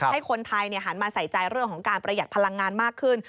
ให้คนไทยหันมาใส่ใจเรื่องของการประหยัดพลังงานมากขึ้น